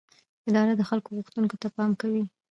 اداره د خلکو غوښتنو ته پام کوي.